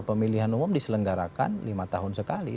pemilihan umum diselenggarakan lima tahun sekali